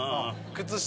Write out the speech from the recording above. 靴下